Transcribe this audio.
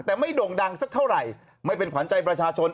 แต่ไม่โด่งดังสักเท่าไหร่ไม่เป็นขวัญใจประชาชน